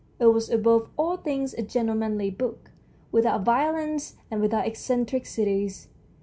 It was above all things a gentlemanly book, without violence and without eccentricities.